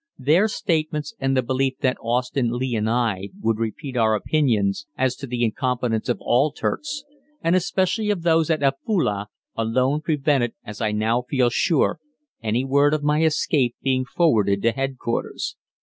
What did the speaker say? Their statements and the belief that Austin, Lee, and I would repeat our opinions as to the incompetence of all Turks, and especially of those at Afule, alone prevented, as I now feel sure, any word of my escape being forwarded to Headquarters.